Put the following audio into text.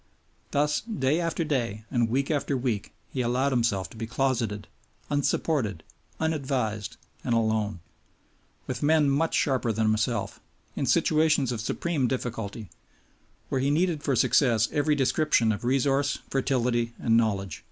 Thus day after day and week after week, he allowed himself to be closeted, unsupported, unadvised, and alone, with men much sharper than himself, in situations of supreme difficulty, where he needed for success every description of resource, fertility, and knowledge.